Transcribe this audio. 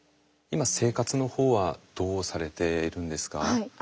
今生活の方はどうされているんですか？